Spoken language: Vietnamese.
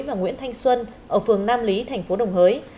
và nguyễn thanh xuân ở phường nam lý tp đồng hới